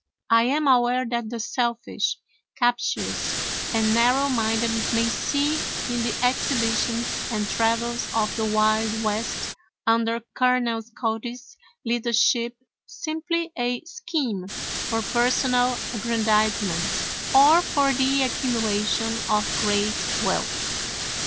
I am aware that the selfish, captious, and narrow minded may see in the exhibitions and travels of the Wild West under Colonel Cody's leadership simply a scheme for personal aggrandizement or for the accumulation of great wealth.